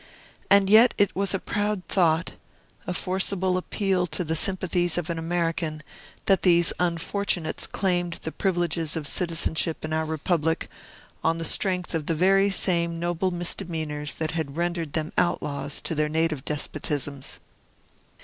And yet it was a proud thought, a forcible appeal to the sympathies of an American, that these unfortunates claimed the privileges of citizenship in our Republic on the strength of the very same noble misdemeanors that had rendered them outlaws to their native despotisms.